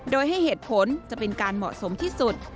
โดยให้เหตุผลจะเป็นการเหมาะสมที่สุด